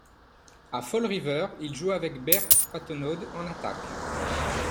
À Fall River, il joue avec Bert Patenaude en attaque.